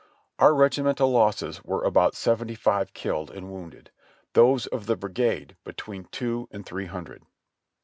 Our regimental losses were about seventy five killed and wounded ; those of the brigade, between two and three hundred.